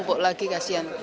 lompok lagi kasian